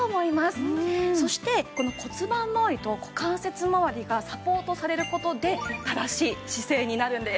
そしてこの骨盤まわりと股関節まわりがサポートされる事で正しい姿勢になるんです。